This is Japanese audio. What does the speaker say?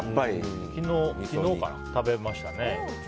昨日かな、食べましたね。